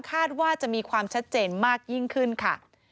คาดว่าจะมีความชัดเจนมากยิ่งขึ้นค่ะ